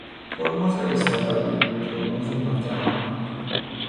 ترمز اضطراری، ترمز ناگهانه